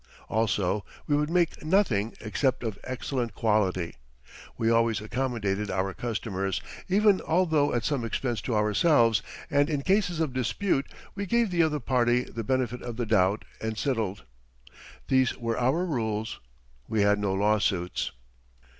Also we would make nothing except of excellent quality. We always accommodated our customers, even although at some expense to ourselves, and in cases of dispute we gave the other party the benefit of the doubt and settled. These were our rules. We had no lawsuits.